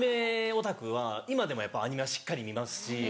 オタクは今でもやっぱアニメはしっかり見ますし。